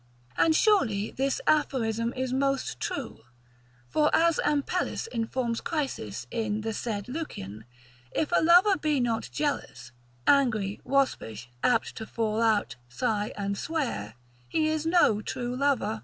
And surely this aphorism is most true; for as Ampelis informs Crisis in the said Lucian, If a lover be not jealous, angry, waspish, apt to fall out, sigh and swear, he is no true lover.